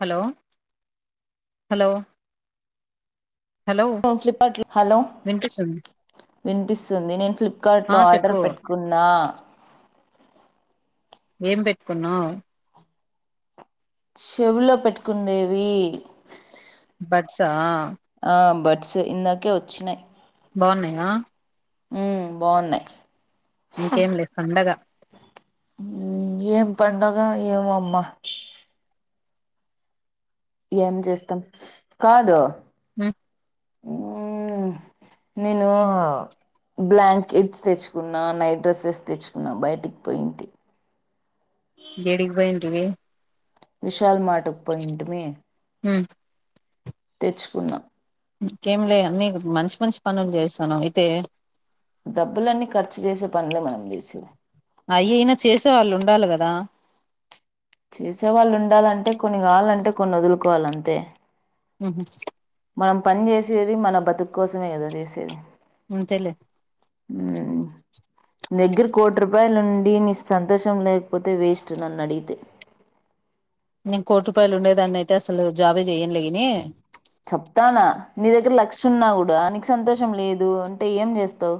Hello hello hello Flipkart hello వినిపిస్తుంది వినిపిస్తుంది నేను ఆ ఫ్లిప్కార్ట్లో ఆర్డర్ చెప్పు పెట్టుకున్నా ఏం పెట్టుకున్నావు చెవుల్లో పెట్టుకుండేవి బట్సా ఇందకే వచ్చినయి్ బాగున్నాయా ఉ బాగున్నాయి ఇంకేం లే పండగ ఏం పండగ ఏమోమ్మ ఏం చేస్తాం కాదు హు నేను బ్లాంకెట్స్ తెచ్చుకున్నా నైట్ డ్రెస్సెస్ తెచ్చుకున్నా బయటికి పోయింటి ఏడికి పోయింటివి విష షల్ మాటకు పాయింటిమీ ఉమ్, తెచ్చుకున్నాం ఇంకేం లే నీ మంచి మంచి పనులు చేస్తానవు తే డబ్బులన్నీ ఖర్చు చేసే పనులే మనం చేసేవి అయయినా చేసేవాళ్ళు ఉండాలి కదా చేసేవాళ్ళుండాలంటే కొన్ని కావాలంటే కొన్ని వదులుకోవాలంతే ఉహు మనం పని చేసేది మన బతుకు కోసమే కదా చేసేది అంతేలే హ్మ్మ్ నీ దగ్గర కోటి రూపాయలుండి నీ సంతోషం లేకపోతే వేస్ట్ నన్ను అడిగితే నేను కోటి రూపాయలు ఉండేదాన్ని అయితే అసలు జాబే చెయ్యనులే గానీ చెప్తానా నీ దగ్గర లక్ష ఉన్నా కూడా నీకు సంతోషం లేదు అంటే ఏం చేస్తావు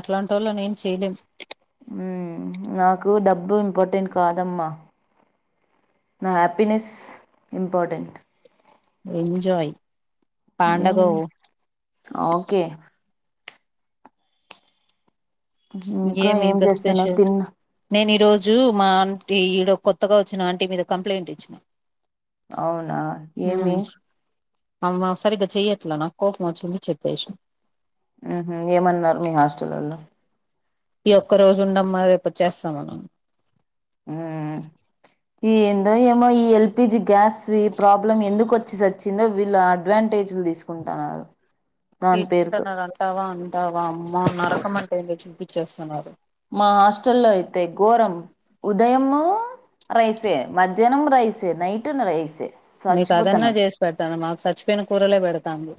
అట్లాటోల్లని ఏమి చేయలేం మ్మ్ నాకు డబ్బు ఇంపార్టెంట్ కాదమ్మా నా హ్యాపీనెస్ ఇంపార్టెంట్ ఎంజయ్ ఏం పాండగో ఓకే ఏమి ఏం ఇంకా చేస్తున్నావ్ స్పెషల్ తిన్నా నేను ఈరోజు మా ఈడ కొత్తగా వచ్చిన ఆంటీ మీద కంప్లైంట్ ఇచ్చినా అవునా ఏమి అమ్ సరిగ్గా చెయ్యట్లా నాకు కోపం వచ్చింది చెప్పేస హ ఏమన్నారు మీ హాస్టల్ల్లో ఈ ఒక్క రోజు ఉండ మరి రేపు చేస్తాంమనం ఈ ఎందో ఏమో ఈ ఎల్పిజి గ్యాస్ ప్రాబ్లమ్ ఎందుకుచ్చ వచ్చి వచ్చిందో వీళ్ళు అడ్వాంటేజ్లు తీసుకుంటున్నారు దాని పేరుతో తీసుకుంటున్నారు అంటావా అంటావామ్ మన్నరకం అంట ఏంద చూపించేస్తున్నారు మా హాస్టల్లో అయితే ఘోరం ఉదయం రైసే మధ్యాహ్నం రైసే నైట్ రైసే మీకు అదన్నా సచ్చిపోతన్నాం చేసి పెడతాను మాకు చచ్చిపోయిన కూరలే పెడతాము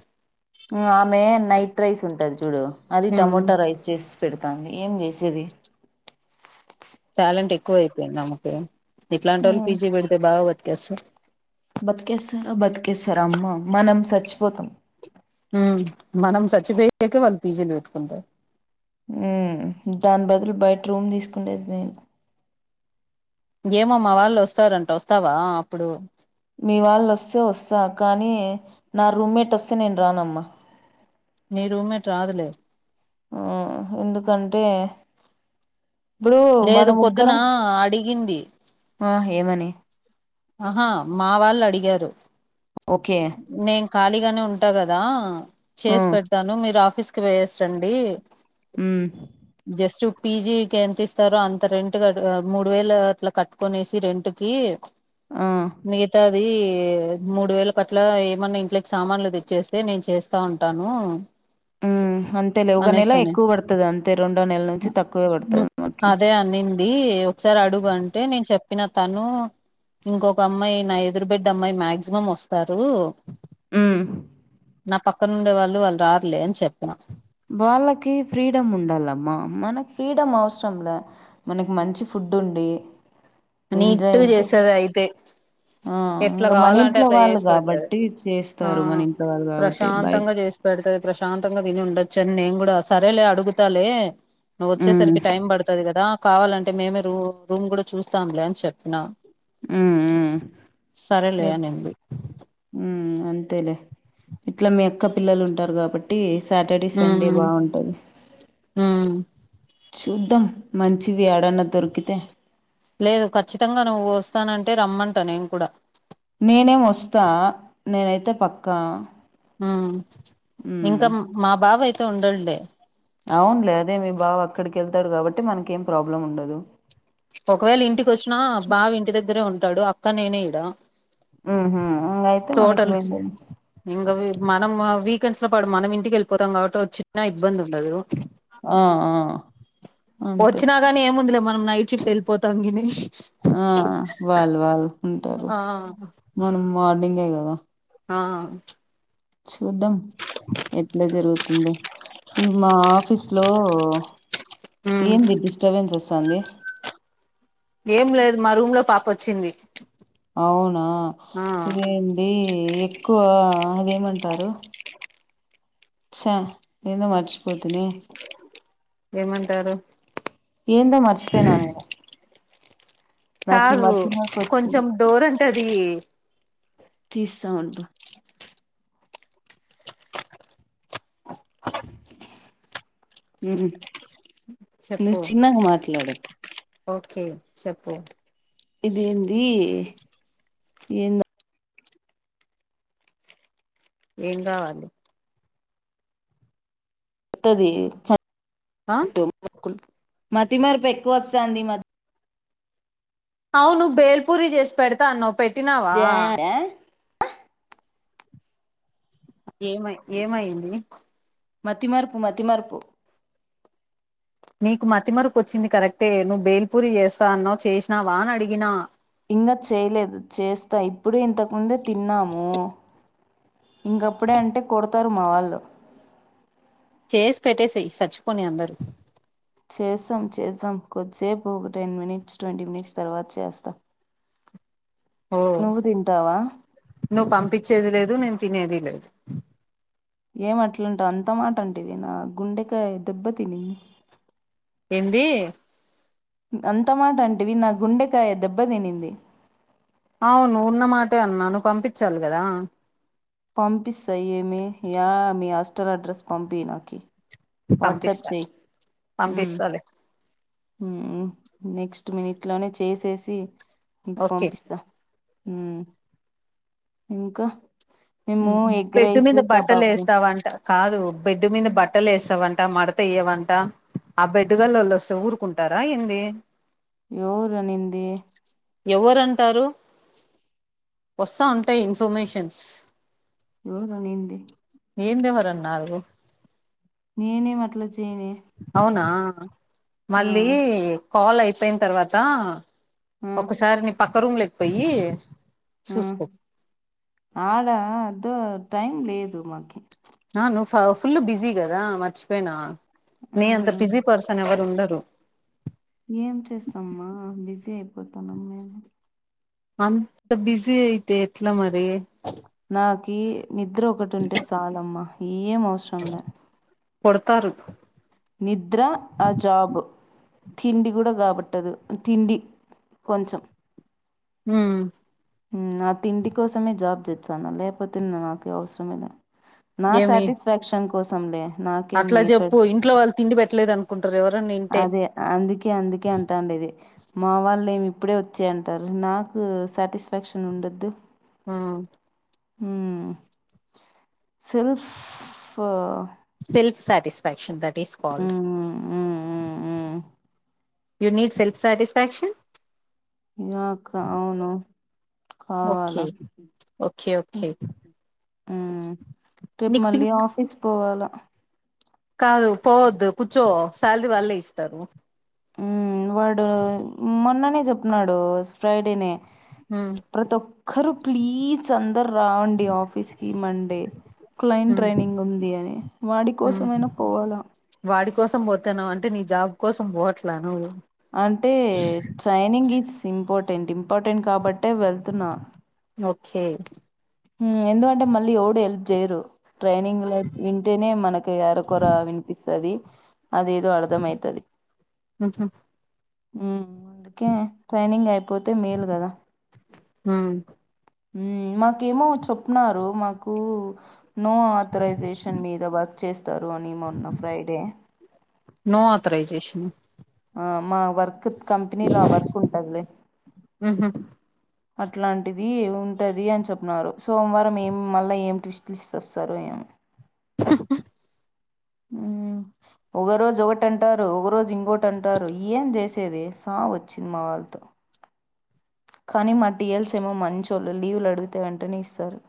ఆమె నైట్ రైస్ ఉంటది చూడు అది ఉమ్ టమోటా రైస్ చేసి పెడుతు తానికి ఏం చేసిది టాలెంట్ ఎక్కువ అయిపోయింది ఆమకు ఇట్లాంటి వాళ్ళు ఉమ్, పీజీ పెడితే బాగాద్ ఒకే సార్ బతికేస్తారా బతికేస్తారా అమ్మ మనం చచ్చిపోతాం మనం చచ్చిపోయాక వాళ్ళు పీజీలు పెట్టుకుంటారు దాని బదులు బయట రూమ్ తీసుకుండేది మేము ఏమో మా వాళ్ళు వస్తారంట వస్తావా అప్పుడు మీ వాళ్ళ వస్తే వస్తా కానీ నా రూమ్మేట్ వస్తే నేను రానమ్మా నీరుూమెట్ రాదులే ఆ ఎందుకంటే ఇప్పుడు మన లేదు పొద్దున ముగ్గురం అడిగింది ఆ ఏమని ఆహా మా వాళ్ళు అడిగారు ఒకే నేను ఖాళీగానే ఉంటా కదా ఆ చేసి పెడతాను మీరు ఆఫీస్ కి వేస్ండి హమ్ జస్ట్ పీజికి ఎంత ఇస్తారో అంత రెంట్ క మూడు వేలు అట్లా కట్టుకొనేసి రెంట్ కి ఆ మిగతా అది మూడు వేలు కట్ల ఏమన్నా ఇంట్లోకి సామాన్లు తెచ్చేస్తే నేను చేస్తా ఉంటాను ఉ అంతే లే ఉగానే ఎల్లా అనేసని ఎక్కువ పడుతది అంత తే రెండో నెలల నుంచి తక్కువే పడుతుంది మకి అదే అనింది ఒకసారి అడుగు అంటే నేను చెప్పిన తను ఇంకొక అమ్మాయి నా ఎదురు బిడ్డ అమ్మాయి మాక్సిమం వస్తారు ఆ నా పక్క నుండే వాళ్ళు వాళ్ళు రారలే అని చెప్పతున్నా బాలకి ఫ్రీడ్ ఉండాలమ్మా మనకి ఫ్రీడమ్ అవసరంలా మనకి మంచి ఫుడ్ ఉండి అ ఎంజాయ్ నీట్టు ఉంటే చేసది అయితే ఆ ఎట్లా ఇంగ మన కావాలంటే ఇంట్లో అట్లా వాళ్ళు చేసి పెడుతది కాబట్టి ఆ చేస్తారు మన ఇంట్లో వాళ్ళు కాబట్టి బయ్ ప్రశాంతంగా చేసి పెడుతుది ప్రశాంతంగా తిని ఉండదు వచ్చను నేను కూడా సరేలే అడుగుతలే నువ్వ ఉమ్ వచ్చేసరికి టైమ్ పడుతది కదా కావాలంటే మేమే రూ రూం కూడా చూస్తాంలే అని చెప్పినా ఊ ఊ సరేలే అనింది ఉమ్ అంతేలే ఇట్లా మీ అక్క పిల్లలు ఉంటారు కాబట్టి సాటర్డే సండే ఉమ్ బావుంటాది ఉమ్ చూద్దాం మంచివి యాడనా దొరికితే లేదు ఖచ్చితంగా నువ్వు వస్తానంటే రమ్మంటా నేను కూడా నేనేం వస్తా నేనైతే పక్కా ఊ ఉమ్ ఇంకా మా బావ ఐ తో ఉండడులే అవునులే అదే మీ బావ అక్కడికెళ్తాడు కాబట్టి మనకేం ప్రాబ్లం ఉండదు ఒకవేళ ఇంటికి వచ్చినా బావ ఇంటి దగ్గరే ఉన్ టాడు అక్క నేనే ఈడ ఊహూ తోటలు ఇంగ వీ మనం వీకెండ్స్ లో పడు మనం ఇంటికి వెళ్ళిపోతాం కాబట్టి వచ్చినా ఇబ్బంది ఉండదు ఆ ఆ అంతే వచ్చినా గానీ ఏముందిలే మనం నై చిప్ వెళ్ళిపోతాం గినిష్ ఆ వాళ్ళు వాళ్ళు ఉంటారు ఆ మనం మాట పంగదా ఆ చూద్దాం ఎట్లా జరుగుతుందో ఇవి మా ఆఫీస్ లో ఉమ్ ఏంది డిస్టర్బెన్స్ వస్తుంది ఏం లేదు మా రూమ్ లో పా వచ్చింది అవునా ఆ ఇదేంటి ఎక్కువ ఏమంటరు చ్చా ఏదో మరిచిపోతీని ఏమంటారు. ఏందో మర్చిపోయిన నేను నాకు ఈ కాదు మతి మరపు కొంచెం వచ్చింది డోర్ అంటే అది థిస్స్ సౌండు ఉమ్ చెప్పు నువు చిన్నగా మాట్లాడు ఓకే చెప్పు ఇదేంది ఏన్ ఏం గావాలి. పుత్తది ఆ సన్ తోమ్ [unintelligible] వకుల్ మతి మరపు ఎక్కువ వస్తాంది ఈ మధ్య అవు నువ్వు బేల్పూరి చేసి పెడతా అన్నావ్ పెట్ ద్యా యా ఏమై ఏమైంది. మతిమారుపు మతిమారుపు నీకు మతిమరుపు కొచ్చింది కరెక్టే నువ్వు బేల్పూరి చేస్తాన్నావ్ చేసినావానీ అడిగిన ఇప్పుడు ఇంతకుముందే తిన్నాము. ఇంకప్పుడే అంటే కొడతారు మా వాళ్ళు చేసి పెట్టేసేయ్ సచ్చిపోని అందరు చేస్సాం చేస్సాం కొద్దిసేపు ఒక టెన్ మినిట్స్ ట్వంటీ మినిట్స్ తర్వాత చేస్తా. ఓ నువ్వు తింటావా నువ్వు పంపించేది లేదు నేను తినదిలేదు. ఏమిఅట్లాంటావ్ అంత మాట అంటివి నా గుండెకాయ్ దెబ్బతిని హిందీ అంత మాట అంటివి నా గుండెకాయ దెబ్బ తినింది. అవునువున్న మాటే అన్నాను. నువ్ పంపించాలి కదా! పంపిస్స ఏమి యా మీ హాస్ స్టల్ అడ్రస్ పంపియ్ నాకి వాట్సాప్ పంపిస్త చెయ్యి ఉమ్, పంపిస్తాలే ఉమ్ నెక్స్ట్ మీనిట్లోనే చేసేసి ఓకే పంపిస్త హ్మ్ ఇంకా మేము ఎగ్ బెడ్డు రైస్ మీద బట్టలు కబాబ్ తిన్ వేస్తావంట కాదు. బెడ్డు మీద బట్టలు వేస్తావంట మడతేయ్యవంట ఆ బెడ్డు గలళ్ళస్తే ఊరుకుంటారా ఏంది? ఎవరు నింది ఎవరుంటారు వస్తా ఉంటాయి ఇన్ఫర్మేషన్స్ ఆ నీంది ఏ దేవరన్నారు నేనేఏం అట్లా చేయనే అవునా ఆ మళ్ళీ కాల్ అయిపోయిన తర్వాత ఆ ఒకసారి నీ పక్క రూమ్ పోయి ఆ చూసుకో ఆడా అద టైం లేదు మాకి ఆ ను్ ఫుల్ బిజీ కదా మర్చిపోయినా మీే అంత మ్ బిజీ పర్సన్ ఎవరు ఉండరు పోతానమ్మే అంత బిజీ అయితే ఎట్లా మరి నా క నిద్ర ఒకటి ఉంటే చాలమ్మ ఏం అవసరం లే కొడతారు నిద్ర ఆ జాబ్ తిండి కూడా కాబట్టదు తిండి కొంచెం హ్మ్ హ్మ్ నా తిండి కోసమే జాబ్ చేస్తున్నా లేకపోతే నాకు అవసరమే ల్యా నా ఏమి సాటిస్ఫాక్షన్ కోసం సంలే అట్లా చెప్పు ఇంట్లో వాళ్ల తిండి పెట్టలేదని అనుకున్ అదే అందుకే అందుకే అంటాండేది మా వాళ్ళు ఏమి ఇప్పుడే వచ్చేయ్ అంటారు నాకు సాటిస్ఫాక్షన్ ఉండద్దు ఆ hmm self self satisfaction that ట్ is called hmm hmm hmm you need self satisfaction హా కా అవును ఓకే కావాలా ఓకే ఓకే హ్మ్ ట్రిప్ నీకు మళ్ళీ పింక్ ఆఫీస్ పోవాలా కాదు పోవద్దు కూర్చో శాలరీ వాళ్ళే ఇస్తారు హ్మ్ వాడు మొన్ననే చెప్నాడు ఫ్రైడే నే ఉమ్ ప్రతి ఒక్కరూ ప్లీజ్ అం దరు రండి ఆఫీస్ కీ మండే క్లైంట్ ట్రైనింగ్ ఉంది అని వాడి ఉమ్ కోసమైనా పోవాలా వాడి కోసం పోతున్నావంటే నీ జాబ్ కోసం పోవట్లా నువు అంటే training is important important కాబ ట్టె వెళ్తున్నా కే హ్మ్ ఎందుకంటే మళ్ళీ ఎవడు హెల్ప్ చేయరు ట్రైనింగ్ లో వింటేనే మనకి అరకొర వినిపిస్తాది అదేదో అర్థమైతాది ఉహు హ్మ్ అందుకే ట్రైనింగ్ అయిపోతే మేలు కదా ఉమ్ మాకేమో చెప్న్‌రు మాకు నో ఆథరైజేషన్ మీదబా చెస్ తరు అని మొన్న ఫ్రైడే నో ఆథరైజేషన్ ఆ మా వర్క్ కంపెనీలో ఆ వర్క్ ఉంటది లే ఊహు అట్లాంటిది ఉంటది అని చెప్న్నరు సోమవారం ఏం మళ్ళా ఏం ట్విస్ట్లు ఇచి చస్తారో ఏమో ఉ ఒక రోజు ఒకటంటారు ఒక రోజు ఇంగొటి అంటారు ఏం చేసి ది సావోచ్చింది మా వాళ్ళతో కానీ మా టీఎల్స్ ఏమో మంచొల్లూ లీవులు అడిగితే వెంటనే ఇస్తారు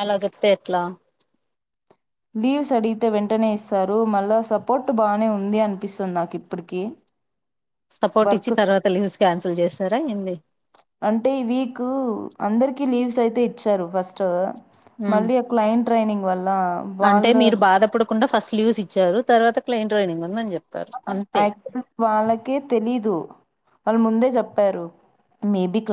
అలా చెప్తే ఎట్లా లీవ్స్ అడిగితే వెంటనే ఇస్తారు మళ్ళా సపోర్ట్ బానే ఉంది అనిపిస్తుంది నాకుప్పటికీ సపోర్ట్ ఇచ్చి తర్వాత లీవ్స్ క్యాన్సిల్ చేస్తారా ఏంది అందరికి లీవ్స్ అయితే ఇచ్చారు ఫస్ట్ ఉమ్ మళ్ళీ క్లైంట్ ట్రైనింగ్ వాల్ అంటే మీరు బాధ పడకుండా ఫస్ట్ లీవ్స్ ఇచ్చారు తరూవాత క్లైంట్ ట్రైనింగ్ ఉందని చె ల్ వాళ్ళకే తెలీదు వాళ్ళ ముందే చెప్పారు మేబి క్లై